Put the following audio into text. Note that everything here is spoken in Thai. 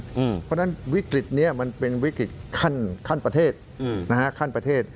เพราะฉะนั้นวิกฤตนี้มันเป็นวิกฤตขั้นประเทศ